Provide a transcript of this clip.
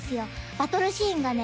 バトルシーンがね